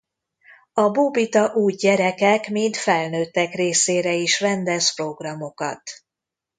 A Bóbita úgy gyerekek mint felnőttek részére is rendez programokat.